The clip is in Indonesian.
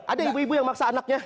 ada ibu ibu yang maksa anaknya